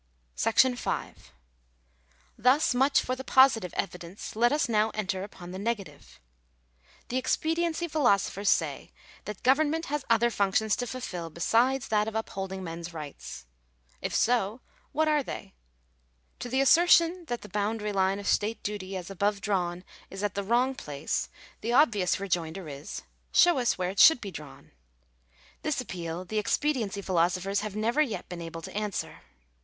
§5. Thus much for the positive evidence : let us now enter upon the negative. The expediency philosophers say that govern ment has other functions to fulfil besides that of upholding men's rights. If so, what are they ? To the assertion that the boundary line of state duty as above drawn is at the wrong place, the obvious rejoinder is— show us where it should be drawn. This appeal the expediency philosophers have never yet been able to answer.